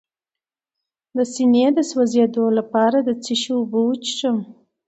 د سینې د سوځیدو لپاره د څه شي اوبه وڅښم؟